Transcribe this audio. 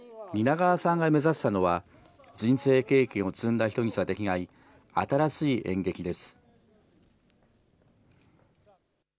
蜷川さんが目指したのは、人生経験を積んだ人にしかできない新しい演劇です。